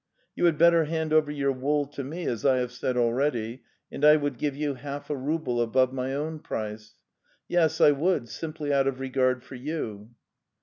You had better hand over your wool to me, as I have said already, and I would give you half a rouble above my own price — yes, I would, simply out of regard for you.